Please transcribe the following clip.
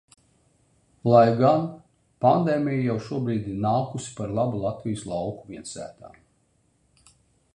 Lai gan – pandēmija jau šobrīd ir nākusi par labu Latvijas lauku viensētām.